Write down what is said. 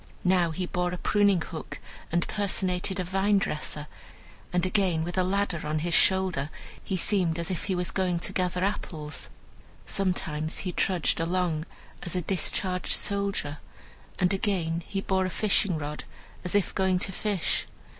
Now he bore a pruning hook, and personated a vine dresser; and again, with a ladder on his shoulder, he seemed as if he was going to gather apples. Sometimes he trudged along as a discharged soldier, and again he bore a fishing rod, as if going to fish.